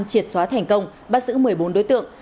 triệt xóa thành công bắt giữ một mươi bốn đối tượng